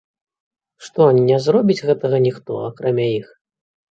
Што не зробіць гэтага ніхто, акрамя іх?